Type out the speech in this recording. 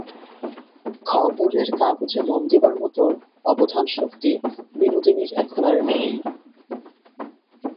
খবরের কাগজে মন দিবার মতো অবধানশক্তি বিনোদিনীর এখন আর নাই।